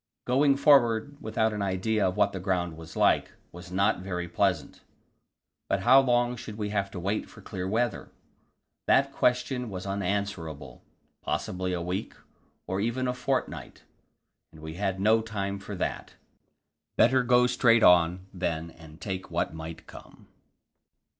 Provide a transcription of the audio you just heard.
Going forward without an idea of what the ground was like, was not very pleasant. But how long should we have to wait for clear weather? That question was unanswerable; possibly a week, or even a fortnight, and we had no time for that. Better go straight on, then, and take what might come.